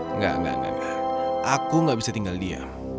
enggak enggak enggak aku gak bisa tinggal diam